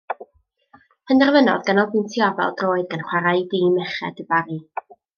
Penderfynodd ganolbwyntio ar bêl-droed gan chwarae i dîm merched y Bari.